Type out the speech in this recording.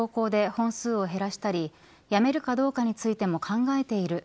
禁煙する方向で本数を減らしたりやめるかどうかについても考えている。